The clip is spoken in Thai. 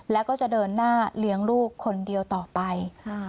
แล้วก็จะเดินหน้าเลี้ยงลูกคนเดียวต่อไป